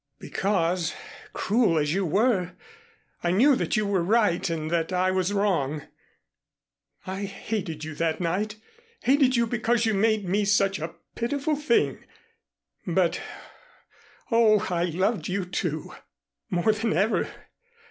"Because, cruel as you were, I knew that you were right and that I was wrong. I hated you that night hated you because you made me such a pitiful thing; but Oh, I loved you, too, more than ever.